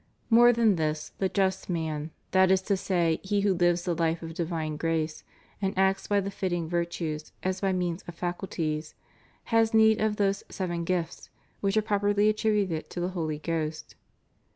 ' More than this, the just man, that is to say he who lives the Hfe of divine grace, and acts by the fitting virtues as by means of faculties, has need of those seven gifts which are properly attributed to the Holy Ghost.